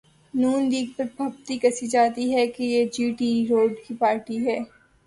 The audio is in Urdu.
نون لیگ پر پھبتی کسی جاتی ہے کہ یہ جی ٹی روڈ کی پارٹی ہے۔